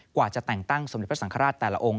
กว่าจะแต่งตั้งสมเด็จพระสังฆราชแต่ละองค์